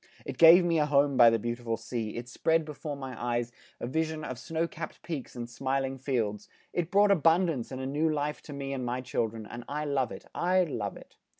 It gave me a home by the beautiful sea; it spread before my eyes a vision of snow capped peaks and smiling fields; it brought abundance and a new life to me and my children and I love it, I love it!